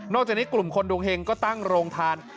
จากนี้กลุ่มคนดวงเฮงก็ตั้งโรงทาน